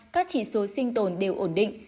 các chỉ số sinh tồn đều ổn định